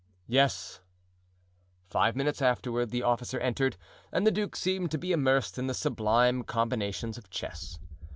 "Yes." Five minutes afterward the officer entered and the duke seemed to be immersed in the sublime combinations of chess.